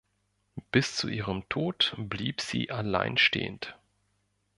Bis zu ihrem Tod blieb sie alleinstehend.